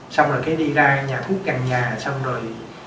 xong rồi cái đi ra nhà thuốc cần nhà xong rồi